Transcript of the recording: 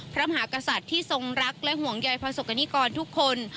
พระมหากษัตริย์ที่ทรงรักและห่วงใยประสบกรณิกรทุกคน